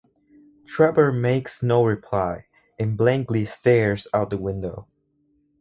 Trevor makes no reply, and blankly stares out the window.